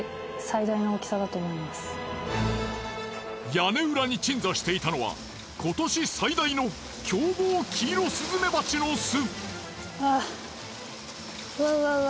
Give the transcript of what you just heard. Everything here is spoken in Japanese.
屋根裏に鎮座していたのは今年最大の凶暴キイロスズメバチの巣！